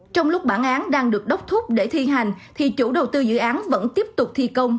trong lúc bản án đang được đốc thúc để thi hành thì chủ đầu tư dự án vẫn tiếp tục thi công